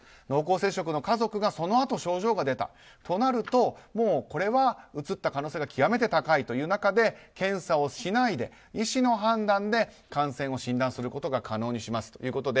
濃厚接触の家族がそのあと症状が出たとなるとこれはうつった可能性が極めて高いという中で検査をしないで医師の判断で感染の診断をすることを可能にしますと。